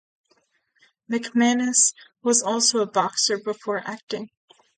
McManus was also a boxer before acting.